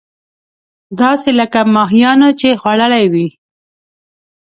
داسې لکه ماهيانو چې خوړلې وي.